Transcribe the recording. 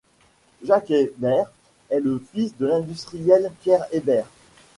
Jacques Hébert est le fils de l'industriel Pierre Hébert.